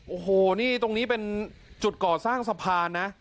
โอ้โหนี่ตรงนี้เป็นจุดก่อสร้างสะพานนะ